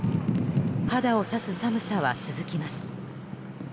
肌を刺す寒さは続きます。